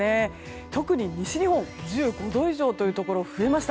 特に西日本、１５度以上というところが増えました。